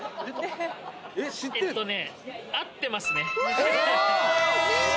えっとね、合ってますね。